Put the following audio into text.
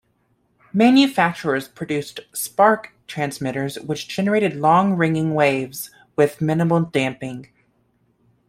Manufacturers produced spark transmitters which generated long "ringing" waves with minimal damping.